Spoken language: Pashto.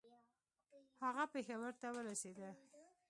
هغه پېښور ته ورسېدی.